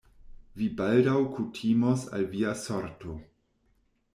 Vi baldaŭ kutimos al via sorto...